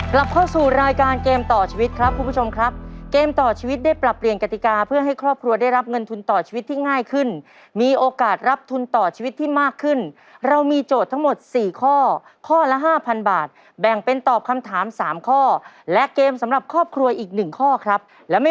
กลับเข้าสู่รายการเกมต่อชีวิตครับคุณผู้ชมครับเกมต่อชีวิตได้ปรับเปลี่ยนกติกาเพื่อให้ครอบครัวได้รับเงินทุนต่อชีวิตที่ง่ายขึ้นมีโอกาสรับทุนต่อชีวิตที่มากขึ้นเรามีโจทย์ทั้งหมดสี่ข้อข้อละห้าพันบาทแบ่งเป็นตอบคำถามสามข้อและเกมสำหรับครอบครัวอีกหนึ่งข้อครับและไม่